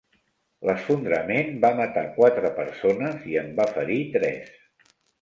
L'esfondrament va matar quatre persones i en va ferir tres.